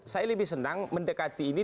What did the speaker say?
saya lebih senang mendekati ini